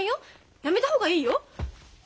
やめた方がいいよ。